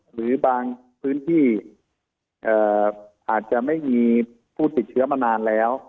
หรือบางพื้นที่อาจจะไม่มีผู้ติดเชื้อมานานแล้ว